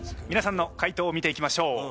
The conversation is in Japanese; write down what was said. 皆さんの回答を見ていきましょう。